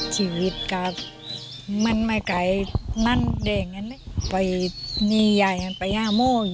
ชีวิตกลับมันไม่ใกล้นั่นเดียงนั้นเลยไปมียายกันไปห้าม่ออยู่